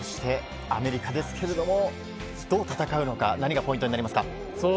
そしてアメリカですが、どう戦うのか、何がポイントになりますか？